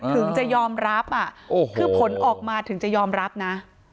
ถึงจะยอมรับคือผลออกมาถึงจะยอมรับนะ